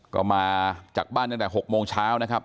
ก็มาจากบ้านตั้งแต่๖โมงเช้านะครับ